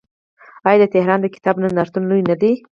آیا د تهران د کتاب نندارتون لوی نه دی؟